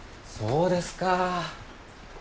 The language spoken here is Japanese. そうですか。